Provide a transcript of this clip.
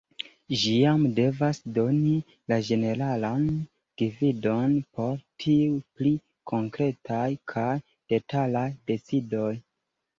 Ĝi jam devas doni la ĝeneralan gvidon por tiuj pli konkretaj kaj detalaj decidoj.